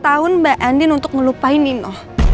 empat tahun mbak andin untuk ngelupain nino